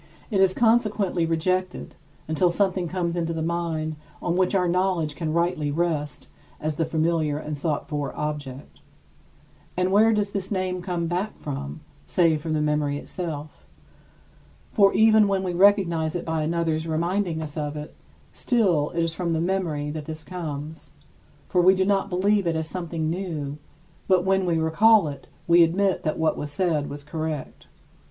It is consequently rejected, until something comes into the mind on which our knowledge can rightly rest as the familiar and sought for object. And where does this name come back from, save from the memory itself? For even when we recognize it by another's reminding us of it, still it is from the memory that this comes, for we do not believe it as something new; but when we recall it, we admit that what was said was correct.